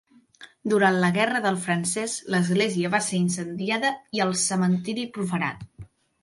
Durant la guerra del Francès l'església va ser incendiada i el cementiri profanat.